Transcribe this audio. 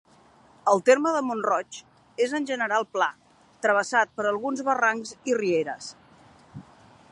El terme de Mont-roig és en general pla, travessat per alguns barrancs i rieres.